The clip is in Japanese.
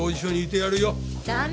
ダメ！